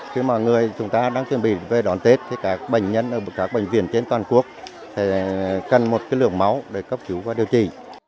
khi mà người chúng ta đang chuẩn bị về đón tết thì các bệnh nhân ở các bệnh viện trên toàn quốc sẽ cần một lượng máu để cấp cứu và điều trị